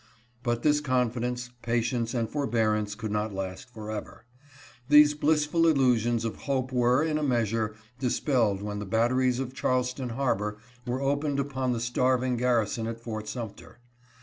" But this confidence, patience, and forbearance could not last for ever. These blissful illusions of hope were, in a measure, dispelled when the batteries of Charleston harbor were opened upon the starv ing garrison at Fort Sumter.